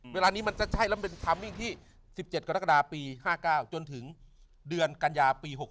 เวลานี้มันจะใช่แล้วมันเป็นทัมมิ่งที่๑๗กรกฎาปี๕๙จนถึงเดือนกันยาปี๖๖